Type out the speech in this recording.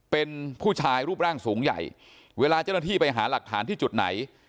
เป็นผู้ชายรูปร่างสูงใหญ่เวลาเจ้าหน้าที่ไปหาหลักฐานที่จุดไหน